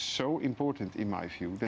sangat penting menurut saya